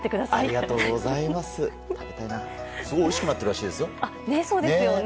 すごいおいしくなってるらしいでそうですよね。